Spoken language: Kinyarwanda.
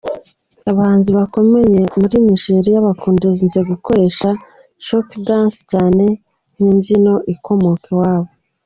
Abahanzi bakomeye muri Nigeriya bakunda gukoresha Shoki Dance cyane nkimbyino ikomoka iwabo.